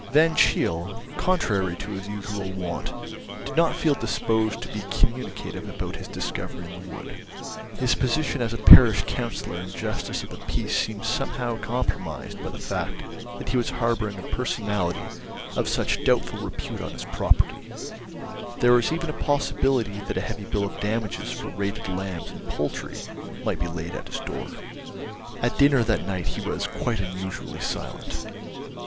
Van Cheele, contrary to his usual wont, did not feel disposed to be communicative about his discovery in the wood. His position as a parish councillor and justice of the peace seemed somehow compromised by the fact that he was harbouring a personality of such doubtful repute on his property; there was even a possibility that a heavy bill of damages for raided lambs and poultry might be laid at his door. At dinner that night he was quite unusually silent.